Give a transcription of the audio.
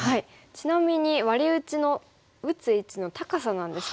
ちなみにワリ打ちの打つ位置の高さなんですけど。